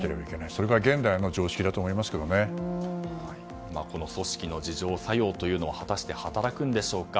それが現代の常識だとこの組織の自浄作用は果たして働くんでしょうか。